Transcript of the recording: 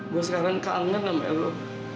gue sekarang kangen sama allah